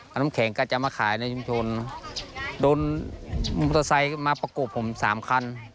เอาน้ำแข็งก็จะมาขายในชุมชนโดนมอเตอร์ไซค์มาประกบผมสามคัน